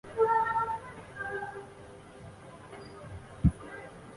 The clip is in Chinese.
人的眼可分为感光细胞系统两部分。